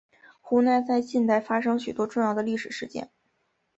湖南在近代发生许多重要的历史事件。